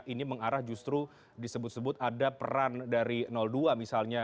ini mengarah justru disebut sebut ada peran dari dua misalnya